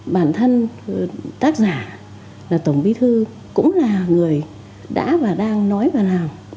bản thân tác giả là tổng bí thư cũng là người đã và đang nói và làm